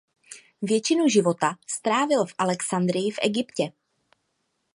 Většinu života strávil v Alexandrii v Egyptě.